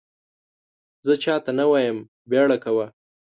زه چا ته نه وایم بیړه کوه !